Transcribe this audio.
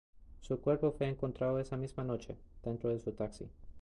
Su cuerpo fue encontrado esa misma noche, dentro de su taxi.